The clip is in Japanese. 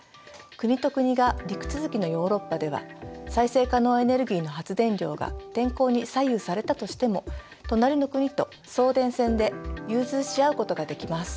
国と国が陸続きのヨーロッパでは再生可能エネルギーの発電量が天候に左右されたとしても隣の国と送電線で融通し合うことができます。